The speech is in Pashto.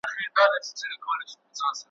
ده دې بډای وه شتمنۍ ته ګوره